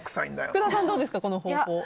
福田さんはどうですかこの方法。